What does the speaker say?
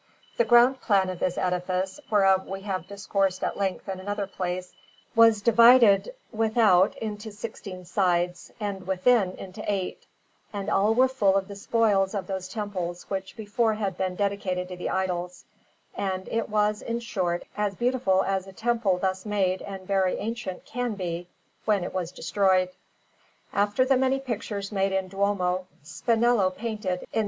The ground plan of this edifice, whereof we have discoursed at length in another place, was divided without into sixteen sides, and within into eight, and all were full of the spoils of those temples which before had been dedicated to the idols; and it was, in short, as beautiful as a temple thus made and very ancient can be, when it was destroyed. After the many pictures made in the Duomo, Spinello painted in S.